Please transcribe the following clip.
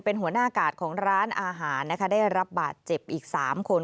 เป็นหัวหน้ากาดของร้านอาหารนะคะได้รับบาดเจ็บอีก๓คน